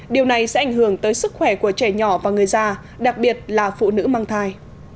điều này sẽ ảnh hưởng tới sức khỏe của trẻ nhỏ và người già đặc biệt là phụ nữ mang thai